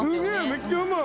めっちゃうまい！